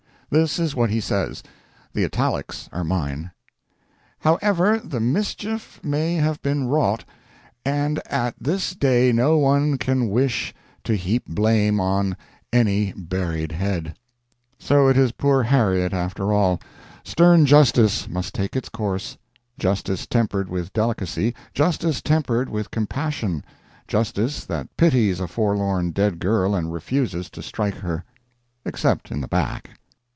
This is what he says the italics [''] are mine: "However the mischief may have been wrought 'and at this day no one can wish to heap blame on any buried head' " So it is poor Harriet, after all. Stern justice must take its course justice tempered with delicacy, justice tempered with compassion, justice that pities a forlorn dead girl and refuses to strike her. Except in the back.